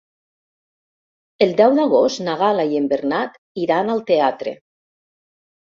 El deu d'agost na Gal·la i en Bernat iran al teatre.